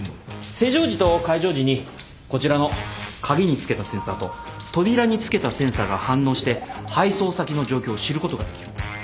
施錠時と解錠時にこちらの鍵に付けたセンサーと扉に付けたセンサーが反応して配送先の状況を知ることができる。